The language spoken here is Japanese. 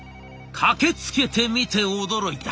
駆けつけてみて驚いた！